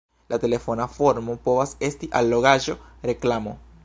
La telefona formo povas esti allogaĵo, reklamo.